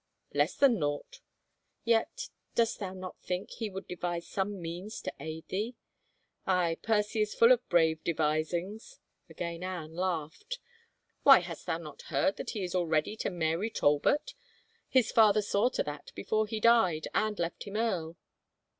" Less than naught." " Yet — dost thou not think he would devise some means to aid thee ?"" Aye, Percy is full of brave devisings 1 " Again Anne laughed. " Why hast thou not heard that he is already married to Mary Talbot ? His father saw to that before he died and left him earl."